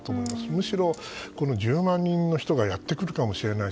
むしろ、１０万人の人がやってくるかもしれない。